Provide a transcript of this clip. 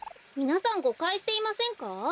みなさんごかいしていませんか？